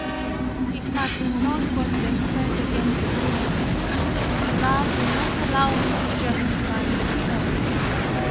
It mattered not what they said against me, love would not allow me to justify myself.